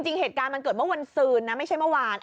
เหตุการณ์มันเกิดเมื่อวันซืนนะไม่ใช่เมื่อวาน